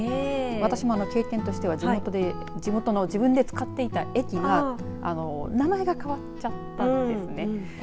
私も、あの経験としては地元の自分で使っていた駅が名前が変わっちゃったんですね。